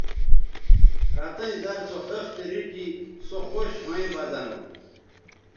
رَتیئں زر سو خِختے ریٹھی سو خوش ھویں بہ زہ نو